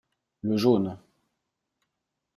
Le jaune.